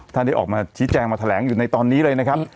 ได้ออกมาชี้แจงมาแถลงอยู่ในตอนนี้เลยนะครับ